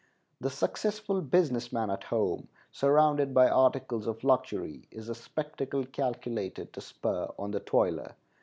The successful business man at home, surrounded by articles of luxury, is a spectacle calculated to spur on the toiler.